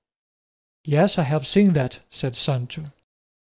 "Yes, I have seen that," said Sancho.